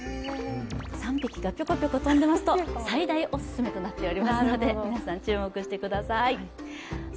３匹がぴょこぴょこ飛んでますと最大おすすめとなってますので皆さん、注目してください。